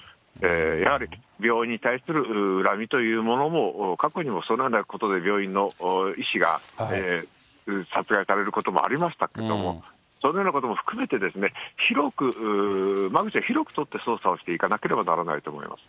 やはり病院に対する恨みというものも、過去にもそのようなことで病院の医師が殺害されることもありましたけども、そのようなことも含めて、広く間口を広く取って捜査をしていかなければならないと思います。